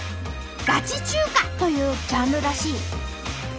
「ガチ中華」というジャンルらしい。